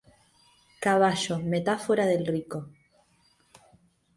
Caballo: metáfora del rico.